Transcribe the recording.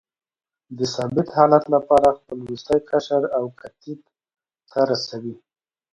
د ثابت حالت لپاره خپل وروستی قشر اوکتیت ته رسوي.